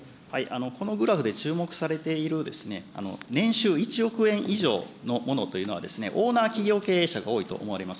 このグラフで注目されている、年収１億円以上のものというのは、オーナー企業経営者が多いと思われます。